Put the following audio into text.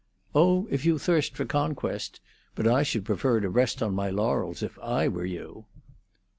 "Oh, if you thirst for conquest. But I should prefer to rest on my laurels if I were you."